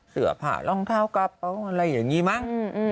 เสื้อผ่ารองเท้ากับอะไรอย่างงี้มั้ง